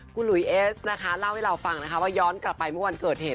คุณหลุยเอสนะคะเล่าให้เราฟังนะคะว่าย้อนกลับไปเมื่อวันเกิดเหตุ